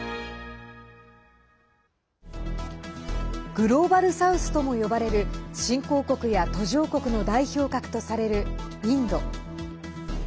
グローバル・サウスとも呼ばれる新興国や途上国の代表格とされるインド。